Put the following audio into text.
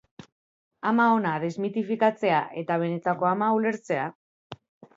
Ama ona desmitifikatzea eta benetako ama ulertzea.